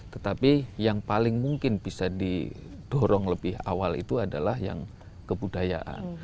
tetapi yang paling mungkin bisa didorong lebih awal itu adalah yang kebudayaan